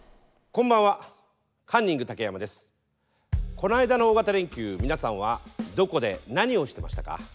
この間の大型連休皆さんはどこで何をしてましたか？